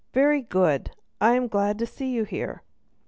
"Very good; I am glad to see you here.